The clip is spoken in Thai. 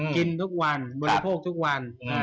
กินทุกวันบริโภคทุกวัน